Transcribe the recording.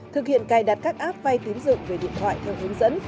thực hiện cài đặt các app vay tín dựng về điện thoại theo hướng dẫn